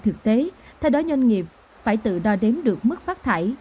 thực tế theo đó doanh nghiệp phải tự đo đếm được mức phát thải